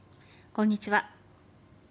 こんにちは。